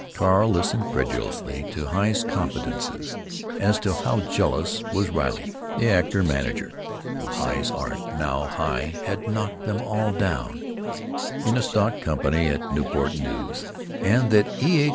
Carl listened credulously to Heye's confidences as to how jealous was Riley, the actor manager, of Heye's art, how Heye had "knocked them all down" in a stock company at Newport News, and what E. H.